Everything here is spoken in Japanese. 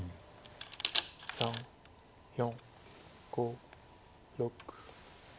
３４５６。